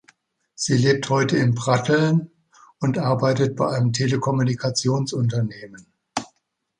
Sie lebt heute in Pratteln, und arbeitet bei einem Telekommunikations-Unternehmen.